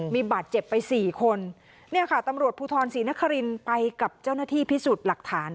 มีบาดเจ็บไปสี่คนเนี่ยค่ะตำรวจภูทรศรีนครินไปกับเจ้าหน้าที่พิสูจน์หลักฐาน